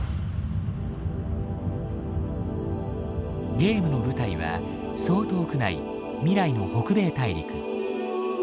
ゲームの舞台はそう遠くない未来の北米大陸。